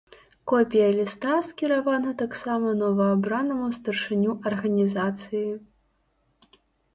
Копія ліста скіравана таксама новаабранаму старшыню арганізацыі.